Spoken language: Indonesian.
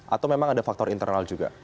atau memang ada faktor internal juga